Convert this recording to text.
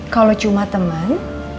kalau cuma temen